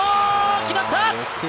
決まった！